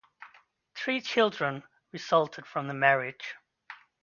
Three children resulted from the marriage.